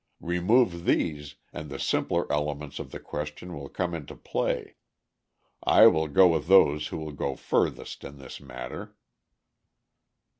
Remove these and the simpler elements of the question will come into play.... I will go with those who will go furthest in this matter."